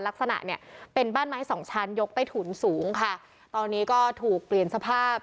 ลักษณะเนี่ยเป็นบ้านไม้สองชั้นยกใต้ถุนสูงค่ะตอนนี้ก็ถูกเปลี่ยนสภาพ